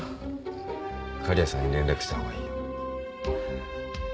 狩矢さんに連絡した方がいいよ。